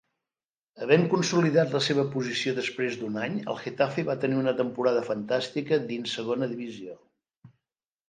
Havent consolidat la seva posició després d'un any, el Getafe va tenir una temporada fantàstica dins segona divisió.